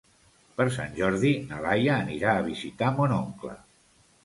Per Sant Jordi na Laia anirà a visitar mon oncle.